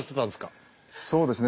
そうですね